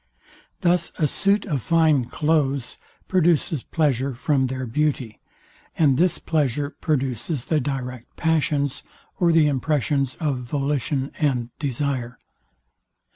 Thus a suit of fine cloaths produces pleasure from their beauty; and this pleasure produces the direct passions, or the impressions of volition and desire.